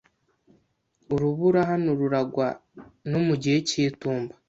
urubura hano ruragwa no mu gihe cy'itumba.